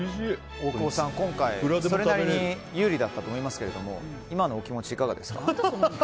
大久保さん、今回それなりに有利だったと思いますけど今のお気持ちいかがですか？